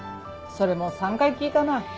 それもう３回聞いたな。